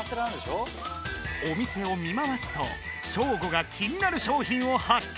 お店を見回すとショーゴが気になる商品を発見